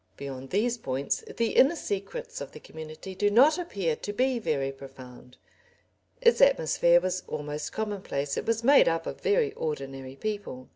Beyond these points the inner secrets of the community do not appear to be very profound; its atmosphere was almost commonplace, it was made up of very ordinary people.